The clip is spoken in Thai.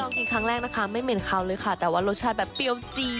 คนกล้องกินครั้งแรกนะคะไม่เหม็นเขาเลยแต่ว่ารสชาติเป็นเปรี้ยวจี๊